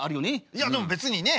いやでも別にね